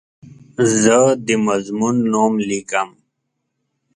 زه د مضمون نوم لیکم.